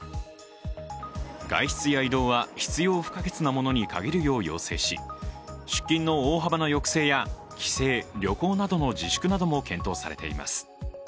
外出や移動は必要不可欠なものに限るよう要請し出勤の大幅な抑制や、帰省旅行などの自粛なども検討されています。